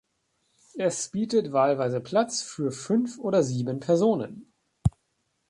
Es bietet wahlweise Platz für fünf oder sieben Personen.